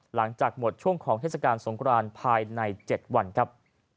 หลังจากหมดช่วงของเทศกาลสงครานภายใน๗วันครับ